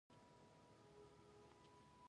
ژبې د افغانانو د فرهنګي پیژندنې یوه برخه ده.